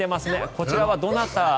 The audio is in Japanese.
こちらはどなた？